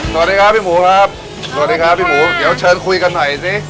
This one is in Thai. สวัสดีครับพี่หมูครับสวัสดีครับพี่หมูเดี๋ยวเชิญคุยกันหน่อยสิ